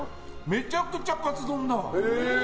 めちゃくちゃカツ丼だわ。